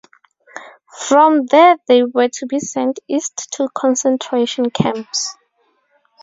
From there they were to be sent east to concentration camps.